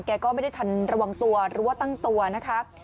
แกก็ไม่ได้ทันระวังตัวหรือว่าตั้งตัวนะคะ